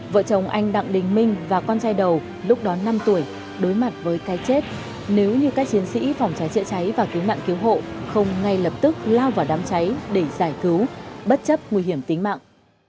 vợ chồng anh đặng đình minh và con trai đầu lúc đó năm tuổi đối mặt với cái chết nếu như các chiến sĩ phòng cháy chữa cháy và cứu nạn cứu hộ không ngay lập tức lao vào đám cháy để giải cứu bất chấp nguy hiểm tính mạng